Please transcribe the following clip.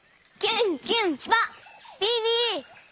ビビ！